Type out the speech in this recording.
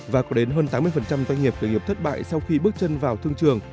và có đến hơn tám mươi doanh nghiệp khởi nghiệp thất bại sau khi bước chân vào thương trường